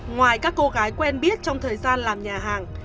ngoài các cô gái quen biết trong thời gian làm nhà hàng